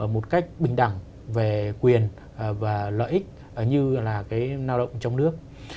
một cách bình đẳng về quyền và lợi ích như là cái lao động trong nước